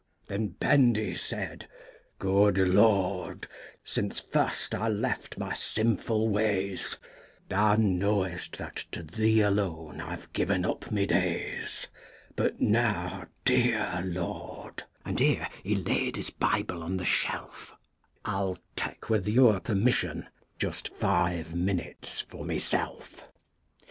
Then Bendy said, "Good Lord, since first I left my sinful ways, Thou knowest that to Thee alone I've given up my days, But now, dear Lord"—and here he laid his Bible on the shelf— "I'll take, with your permission, just five minutes for myself."